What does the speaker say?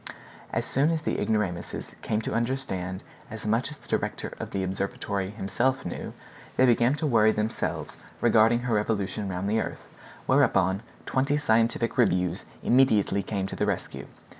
As soon as the ignoramuses came to understand as much as the director of the observatory himself knew, they began to worry themselves regarding her revolution round the earth, whereupon twenty scientific reviews immediately came to the rescue.